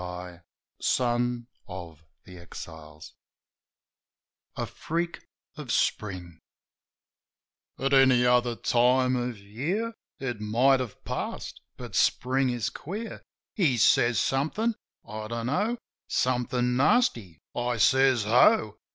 A FREAK OF SPRING A Freak of Spring: AT any other time of year It might have passed, but Spring is queer. He says somethin' — I dunno— Somethin' nasty. I says, "Ho!"